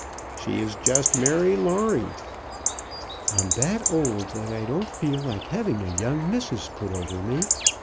"She is just Mary Lawrie." "I'm that old that I don't feel like having a young missus put over me.